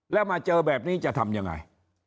แล้วมาเจอแบบนี้จะทำยังไง